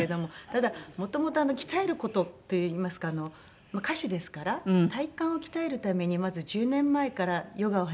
ただもともと鍛える事といいますか歌手ですから体幹を鍛えるためにまず１０年前からヨガを始めまして。